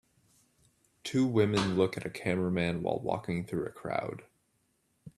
Two women look at a cameraman while walking through a crowd